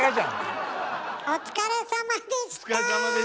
お疲れさまでした。